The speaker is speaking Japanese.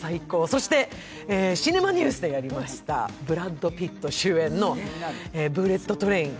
そしてシネマニュースでやりましたブラッド・ピット主演の「ブレット・トレイン」。